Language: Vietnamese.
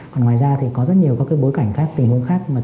còn ngoài ra thì có rất nhiều bối cảnh khác tình huống khác